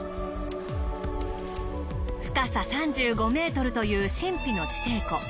深さ３５ｍという神秘の地底湖。